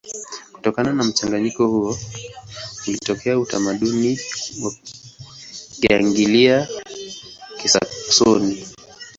Kutokana na mchanganyiko huo ulitokea utamaduni wa Kianglia-Kisaksoni.